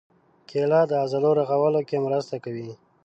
کېله د عضلو رغولو کې مرسته کوي.